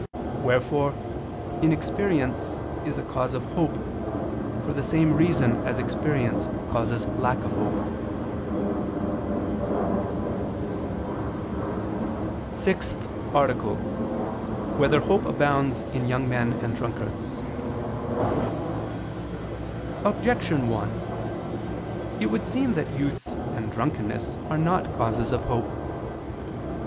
Wherefore inexperience is a cause of hope, for the same reason as experience causes lack of hope. ________________________ SIXTH ARTICLE [I II, Q. 40, Art. 6] Whether Hope Abounds in Young Men and Drunkards? Objection 1: It would seem that youth and drunkenness are not causes of hope.